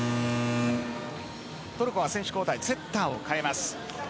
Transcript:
トルコは選手交代、セッターを代えます。